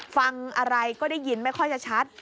ฟังอะไรก็ได้ยินไม่ค่อยจะชัด